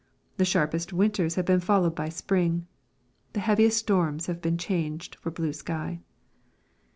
The sharpest winters have been followed by spring The heaviest storms have been changed for blue sky.